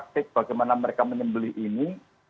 praktik bagaimana mereka menembeli ini